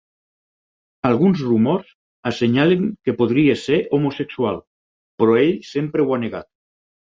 Alguns rumors assenyalen que podria ser homosexual, però ell sempre ho ha negat.